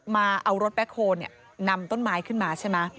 เอารถแบ๊กโฮลนำต้นไม้ขึ้นมาใช่มะ